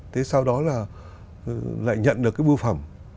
thế sau đó là lại nhận được cái bưu phẩm